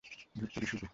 ধুত্তোরি, শুটু!